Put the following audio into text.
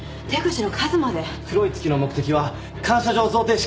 黒い月の目的は感謝状贈呈式！？